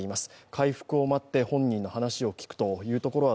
回復を待って本人の話を聞くというところは